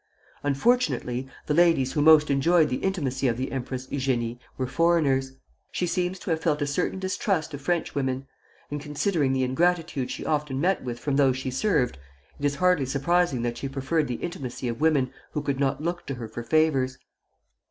Unfortunately the ladies who most enjoyed the intimacy of the Empress Eugénie were foreigners. She seems to have felt a certain distrust of Frenchwomen; and considering the ingratitude she often met with from those she served, it is hardly surprising that she preferred the intimacy of women who could not look to her for favors.